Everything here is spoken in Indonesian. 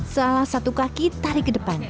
salah satu kaki tarik ke depan